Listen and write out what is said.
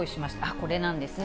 これなんですね。